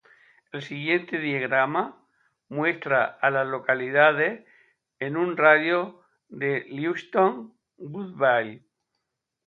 El siguiente diagrama muestra a las localidades en un radio de de Lewiston Woodville.